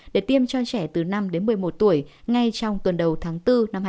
để tiêm cho trẻ từ năm đến một mươi một tuổi ngay trong tuần đầu tháng bốn năm hai nghìn hai mươi